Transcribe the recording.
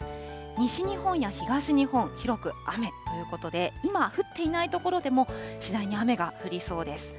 西日本や東日本、広く雨ということで、今降っていない所でも次第に雨が降りそうです。